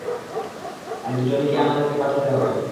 কিন্ত জনিকে আমাদেরকে বাঁচাতে হবে।